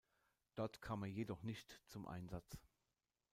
Dort kam er jedoch nicht zum Einsatz.